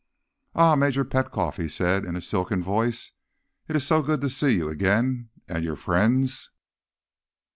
"Ah, Major Petkoff," he said, in a silken voice. "It is so good to see you again. And your friends?"